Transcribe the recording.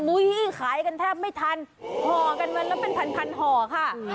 อุ๊ยขายกันแทบไม่ทันห่อกันมันแล้วเป็นพันห่อค่ะ